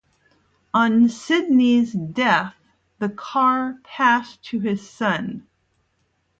On Sidney's death the car passed to his son.